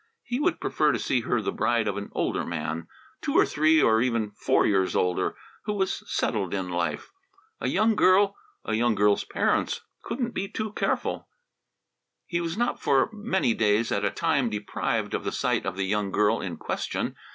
He would prefer to see her the bride of an older man, two or three, or even four, years older, who was settled in life. A young girl a young girl's parents couldn't be too careful! He was not for many days at a time deprived of the sight of the young girl in question.